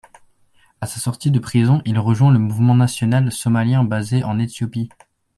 À sa sortie de prison, il rejoint le Mouvement national somalien basé en Éthiopie.